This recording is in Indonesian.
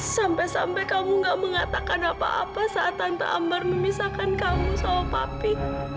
sampai sampai kamu gak mengatakan apa apa saat tante ambar memisahkan kamu sama papi